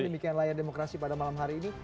demikian layar demokrasi pada malam hari ini